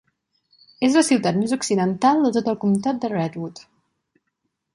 És la ciutat més occidental de tot el comtat de Redwood.